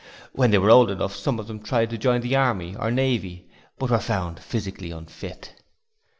When they were old enough some of them tried to join the Army or Navy, but were found physically unfit.